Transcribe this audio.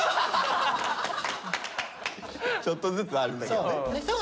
ちょっとずつあるんだけどね。